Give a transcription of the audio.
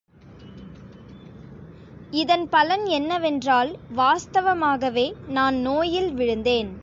இதன் பலன் என்னவென்றால் வாஸ்தவமாகவே, நான் நோயில் விழுந்தேன்!